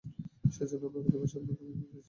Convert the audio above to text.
সেজন্য, আমরা প্রতি মাসে আপনাদেরকে ঘুষ দিচ্ছি।